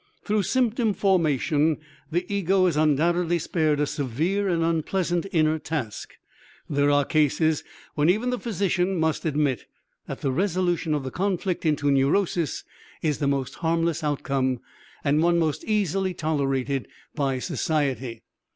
Through symptom formation the ego is undoubtedly spared a severe and unpleasant inner task. There are cases where even the physician must admit that the resolution of the conflict into neurosis is the most harmless outcome and one most easily tolerated by society.